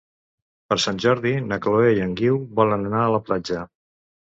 Per Sant Jordi na Chloé i en Guiu volen anar a la platja.